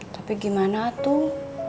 tapi gimana tuh